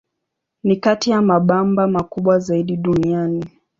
Ni kati ya mabamba makubwa zaidi duniani.